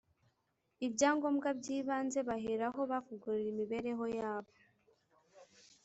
Ibyangombwa by ‘ibanze baheraho bavugurura imibereho yabo .